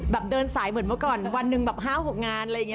เดินสายเหมือนเมื่อก่อนวันหนึ่งแบบ๕๖งานอะไรอย่างนี้